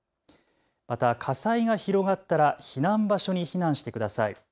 また火災が広がったら避難場所に避難してください。